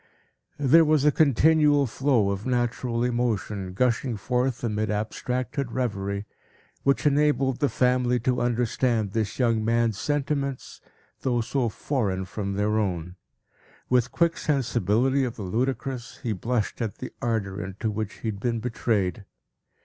There was a continual flow of natural emotion, gushing forth amid abstracted revery, which enabled the family to understand this young man's sentiments, though so foreign from their own. With quick sensibility of the ludicrous, he blushed at the ardor into which he had been betrayed.